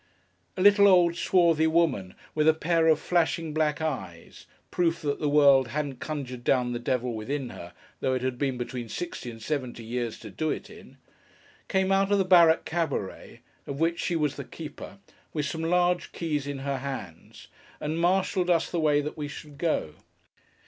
A little, old, swarthy woman, with a pair of flashing black eyes,—proof that the world hadn't conjured down the devil within her, though it had had between sixty and seventy years to do it in,—came out of the Barrack Cabaret, of which she was the keeper, with some large keys in her hands, and marshalled us the way that we should go.